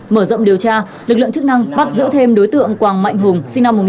mở rộng điều tra lực lượng chức năng bắt giữ thêm đối tượng quảng mạnh hùng sinh năm một nghìn chín trăm tám mươi